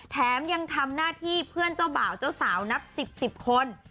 แถมยังทำหน้าที่เพื่อนเจ้าบ่าวเจ้าสาวนับ๑๐๑๐คน